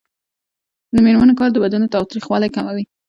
د میرمنو کار د ودونو تاوتریخوالی کموي.